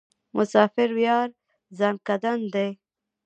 مسافر یار ځانکدن دی.